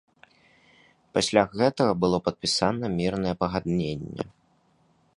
Пасля гэтага было падпісана мірнае пагадненне.